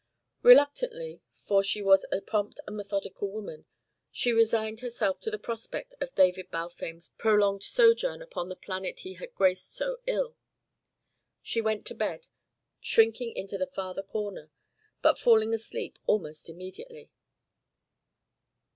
Reluctantly, for she was a prompt and methodical woman, she resigned herself to the prospect of David Balfame's prolonged sojourn upon the planet he had graced so ill. She went to bed, shrinking into the farther corner, but falling asleep almost immediately.